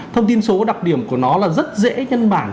thông tin số đặc điểm của nó là rất dễ nhân bản